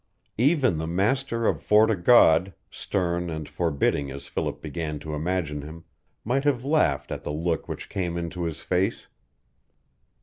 Even the master of Fort o' God, stern and forbidding as Philip began to imagine him, might have laughed at the look which came into his face.